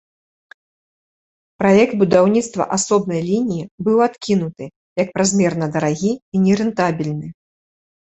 Праект будаўніцтва асобнай лініі быў адкінуты, як празмерна дарагі і нерэнтабельных.